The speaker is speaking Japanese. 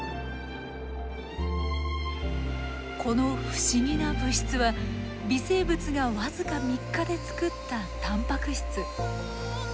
この不思議な物質は微生物が僅か３日で作ったタンパク質。